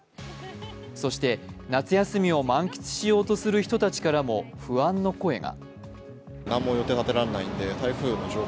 そして、夏休みを満喫しようとする人たちからも不安の声が。